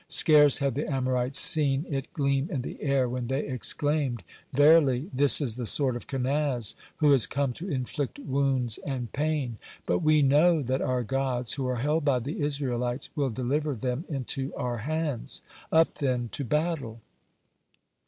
Scarce had the Amorites seen it gleam in the air when they exclaimed: "Verily, this is the sword of Kenaz, who has come to inflict wounds and pain. But we know that our gods, who are held by the Israelites, will deliver them into our hands. Up, then, to battle!"